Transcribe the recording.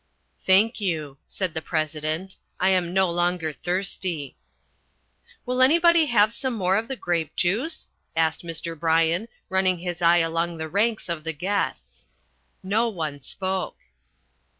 "Thank you," said the President. "I am no longer thirsty." "Will anybody have some more of the grape juice?" asked Mr. Bryan, running his eye along the ranks of the guests. No one spoke.